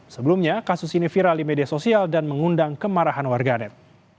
sebelumnya kasus ini viral di media sosial dan mengundang kemarahan warganet